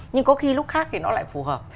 nhưng có khi lúc khác thì nó lại phù hợp